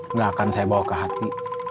nggak akan saya bawa ke hati